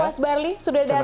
was barli sudah datang